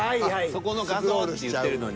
そこの画像って言ってるのに。